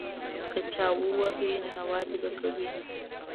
که چا ووهې، ننواتې به کوې.